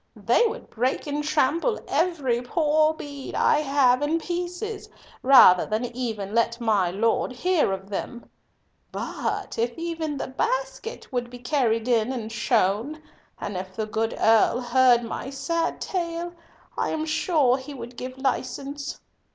They would break and trample every poor bead I have in pieces rather than even let my Lord hear of them. But if even my basket could be carried in and shown, and if the good Earl heard my sad tale, I am sure he would give license."